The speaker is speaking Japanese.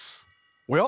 おや？